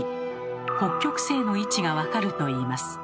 北極星の位置がわかるといいます。